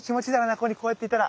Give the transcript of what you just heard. ここにこうやっていたら。